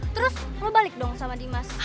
terus lo balik dong sama dimas